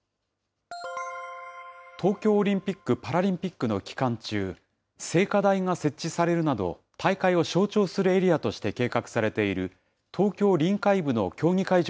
東京オリンピック・パラリンピックの期間中、聖火台が設置されるなど、大会を象徴するエリアとして計画されている東京臨海部の競技会場